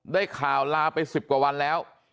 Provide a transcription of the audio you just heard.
ได้ข่าวลาไป๑๐กว่าวันแล้ว